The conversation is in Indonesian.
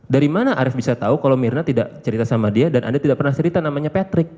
dari mana arief bisa tahu kalau mirna tidak cerita sama dia dan anda tidak pernah cerita namanya patrick